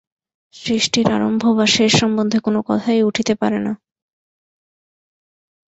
সৃষ্টির আরম্ভ বা শেষ সম্বন্ধে কোন কথাই উঠিতে পারে না।